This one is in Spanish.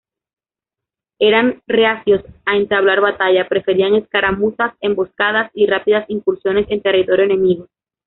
Eran reacios a entablar batalla, preferían escaramuzas, emboscadas y rápidas incursiones en territorio enemigo.